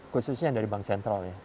khususnya dari bank sentral ya